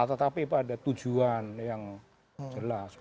tetapi pada tujuan yang jelas